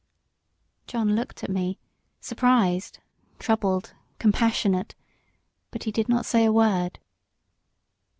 John looked at me surprised, troubled, compassionate but he did not say a word.